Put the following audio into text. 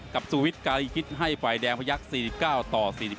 กับสูวิทย์การิกิจให้ไฟแดงพยักษ์๔๙ต่อ๔๗